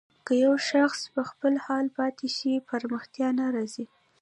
که يو شاخص په خپل حال پاتې شي پرمختيا نه راځي.